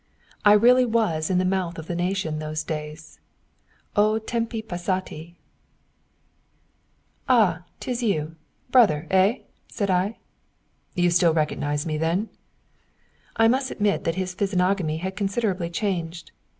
I really was in the mouth of the nation in those days. O tempi passati! [Footnote 101: Martin Cock.] "Ah! 'tis you, brother, eh?" said I. "So you still recognise me, then?" I must admit that his physiognomy had considerably changed.